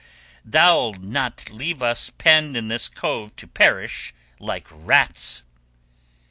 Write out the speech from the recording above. Thou'lt not leave us penned in this cove to perish like rats!"